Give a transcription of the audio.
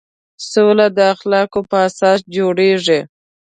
سوله د اخلاقو په اساس جوړېږي.